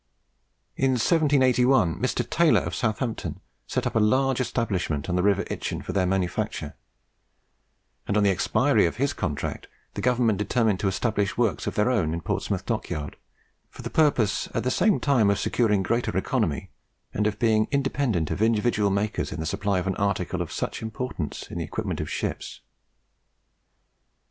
In 1781, Mr. Taylor, of Southampton, set up a large establishment on the river Itchen for their manufacture; and on the expiry of his contract, the Government determined to establish works of their own in Portsmouth Dockyard, for the purpose at the same time of securing greater economy, and of being independent of individual makers in the supply of an article of such importance in the equipment of ships.